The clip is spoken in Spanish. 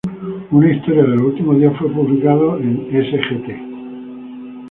Una historia de los últimos días fue publicada en "Sgt.